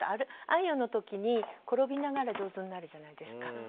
あんよの時に転びながら上手になるじゃないですか。